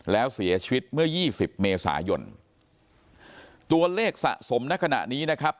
แล้วเสียชีวิตเมื่อยี่สิบเมษายนตัวเลขสะสมในขณะนี้นะครับ